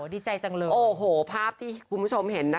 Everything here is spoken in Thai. ดีใจจังเลยโอ้โหภาพที่คุณผู้ชมเห็นนะคะ